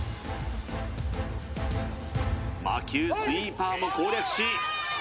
魔球スイーパーも攻略しプレイ